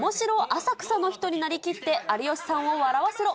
浅草の人になりきって有吉さんを笑わせろ。